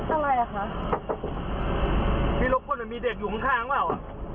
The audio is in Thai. อะไรอ่ะคะพี่รบกวนมีเด็กอยู่ข้างข้างเปล่าอ่ะ